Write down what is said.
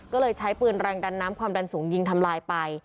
ก็เลยใช้ปืนแรงดันน้ำความดันสูงยิงทำลายไป